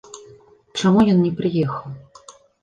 Чаму ён не прыехаў?